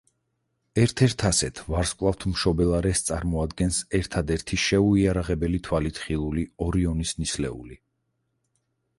ერთ-ერთ ასეთ ვარსკვლავთ მშობელ არეს წარმოადგენს, ერთადერთი, შეუიარაღებელი თვალით ხილული, ორიონის ნისლეული.